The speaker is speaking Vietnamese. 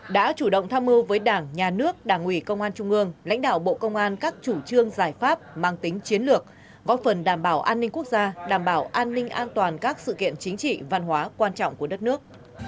đã chủ động tham mưu với đảng nhà nước đảng ủy công an trung ương lãnh đạo bộ công an các chủ trương giải pháp mang tính chiến lược góp phần đảm bảo an ninh quốc gia đảm bảo an ninh an toàn các sự kiện chính trị văn hóa quan trọng của đất nước